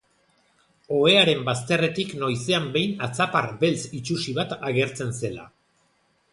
Ohearen bazterretik noizean behin atzapar beltz itsusi bat agertzen zela.